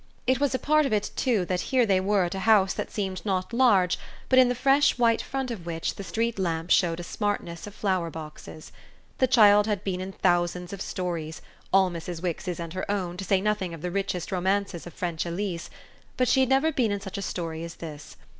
It was a part of it too that here they were at a house that seemed not large, but in the fresh white front of which the street lamp showed a smartness of flower boxes. The child had been in thousands of stories all Mrs. Wix's and her own, to say nothing of the richest romances of French Elise but she had never been in such a story as this.